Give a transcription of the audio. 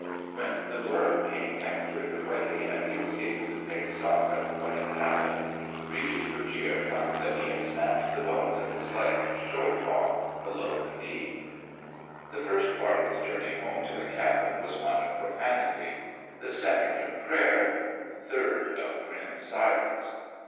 When the blur of pain had cleared away, and he was able to take stock of what had happened, Regis Brugiere found that he had snapped the bones of his leg short off below the knee. The first part of his journey home to the cabin was one of profanity; the second of prayer; the third of grim silence.